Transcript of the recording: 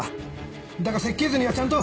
だが設計図にはちゃんと！